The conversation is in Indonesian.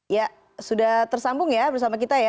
ya sudah tersambung ya bersama kita ya